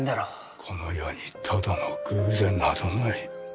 この世にただの偶然などない。